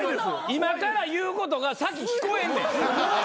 今から言うことが先聞こえんねん。